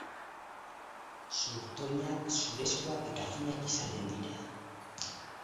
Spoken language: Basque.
Zurtoinak zurezkoak eta finak izaten dira.